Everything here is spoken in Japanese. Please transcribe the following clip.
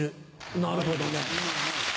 なるほどね。